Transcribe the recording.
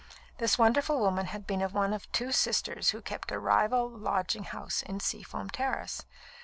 This wonderful woman had been one of two sisters who kept a rival lodging house in Seafoam Terrace.